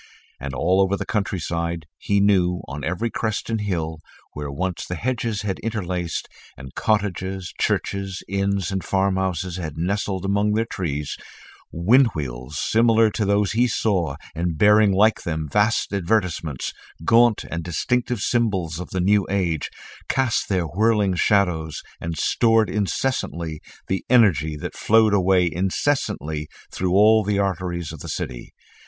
And all over the countryside, he knew, on every crest and hill, where once the hedges had interlaced, and cottages, churches, inns, and farm houses had nestled among their trees, wind wheels similar to those he saw and bearing like them vast advertisements, gaunt and distinctive symbols of the new age, cast their whirling shadows and stored incessantly the energy that flowed away incessantly through all the arteries of the city.